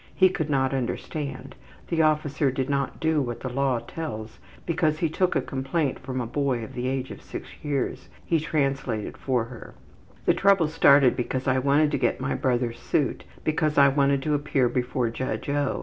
He could not understand. The officer did not do what the law tells because he took a complaint from a boy of the age of 6 years. He translated for her. ``The trouble started because I wanted to get my brother's suit because I wanted to appear before Judge O.